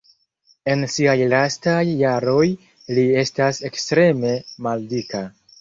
En siaj lastaj jaroj li estas ekstreme maldika.